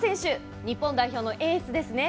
日本代表のエースですね。